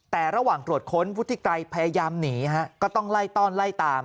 แต่ระหว่างตรวจค้นวุฒิไกรพยายามหนีฮะก็ต้องไล่ต้อนไล่ตาม